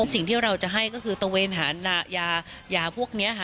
สิ่งที่เราจะให้ก็คือตระเวณหาหน้ายาพวกนี้